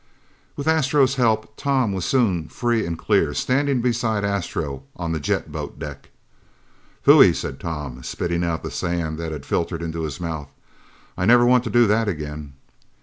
With Astro's help, Tom was soon free and clear, standing beside Astro on the jet boat deck. "Phoooeeeey!" said Tom, spitting out the sand that had filtered into his mouth. "I never want to do that again!"